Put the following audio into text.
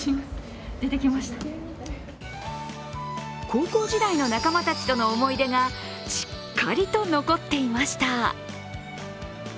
高校時代の仲間たちとの思い出がしっかりと残っていました。